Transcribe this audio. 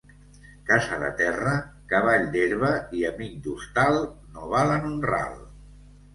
Casa de terra, cavall d'herba i amic d'hostal no valen un ral.